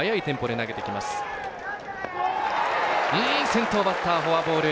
先頭バッターフォアボール。